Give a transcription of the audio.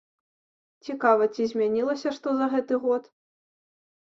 Цікава, ці змянілася што за гэты год?